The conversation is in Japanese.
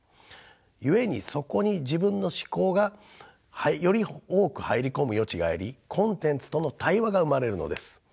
故にそこに自分の思考がより多く入り込む余地がありコンテンツとの対話が生まれるのです。